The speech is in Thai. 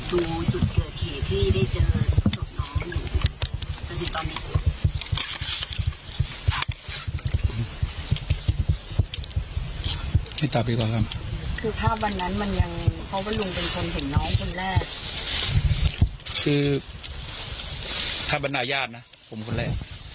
ดูจุดเกิดเหตุที่ได้เจอสลบน้องคือแปปนาญาตนะผมคนแรก